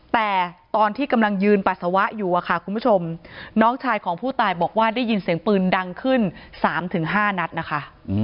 แต่ตอนที่กำลังยืนปัสสาวะอยู่อะค่ะคุณผู้ชมน้องชายของผู้ตายบอกว่าได้ยินเสียงปืนดังขึ้น๓๕นัดนะคะ